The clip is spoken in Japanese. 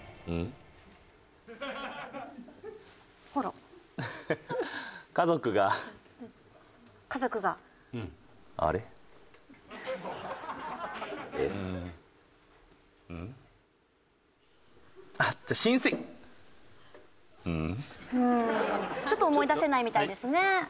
うーんちょっと思い出せないみたいですね。